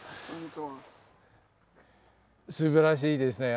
すばらしいですね。